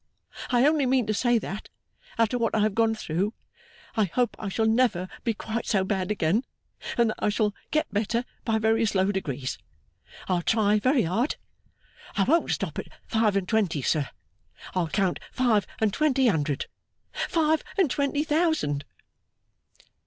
I only mean to say, that, after what I have gone through, I hope I shall never be quite so bad again, and that I shall get better by very slow degrees. I'll try very hard. I won't stop at five and twenty, sir, I'll count five and twenty hundred, five and twenty thousand!